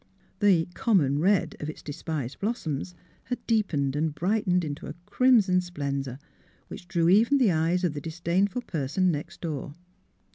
The '^ common red " of its de spised blossoms had deepened and brightened into a crimson splendour which drew even the eyes of the disdainful person next door.